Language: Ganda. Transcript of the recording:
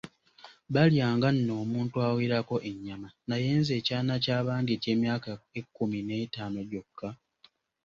Balyanga nno omuntu awerako ennyama, naye nze ekyana kya bandi eky’emyaka ekkumi n’etaano gyokka.